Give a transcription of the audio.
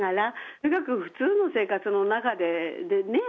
すごく普通の生活の中でね。